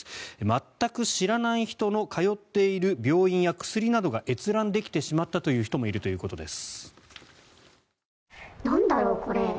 全く知らない人の通っている病院や薬などが閲覧できてしまったという人もいるということです。